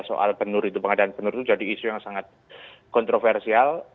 soal penur itu pengadaan penur itu jadi isu yang sangat kontroversial